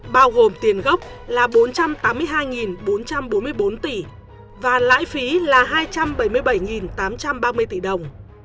bao gồm tiền gốc là bốn trăm tám mươi hai bốn trăm bốn mươi bốn tỷ và lãi phí là hai trăm bảy mươi bảy tám trăm ba mươi tỷ đồng